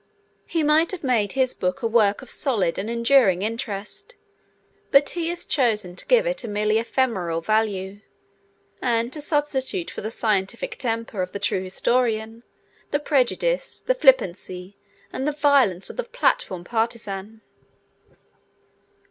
He might have made his book a work of solid and enduring interest, but he has chosen to give it a merely ephemeral value and to substitute for the scientific temper of the true historian the prejudice, the flippancy, and the violence of the platform partisan.